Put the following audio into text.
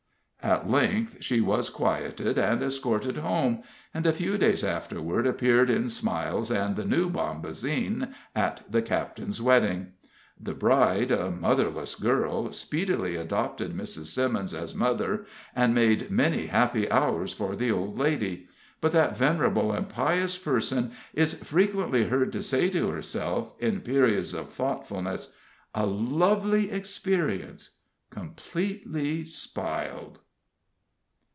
At length she was quieted and escorted home, and a few days afterward appeared, in smiles and the new bombazine, at the captain's wedding. The bride, a motherless girl, speedily adopted Mrs. Simmons as mother, and made many happy hours for the old lady; but that venerable and pious person is frequently heard to say to herself, in periods of thoughtfulness: "A lovely experience completely spiled!"